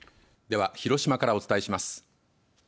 では広島からお伝えします。